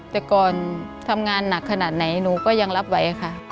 แต่ก่อนทำงานหนักขนาดไหนหนูก็ยังรับไหวค่ะ